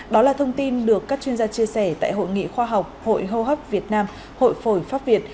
đó là thông tin được các chuyên gia chia sẻ tại hội nghị khoa học hội hô hấp việt nam hội phổi pháp việt